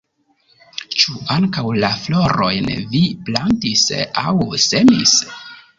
Ĉu ankaŭ la florojn vi plantis aŭ semis?